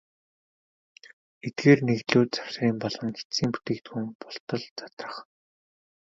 Эдгээр нэгдлүүд завсрын болон эцсийн бүтээгдэхүүн болтол задрах.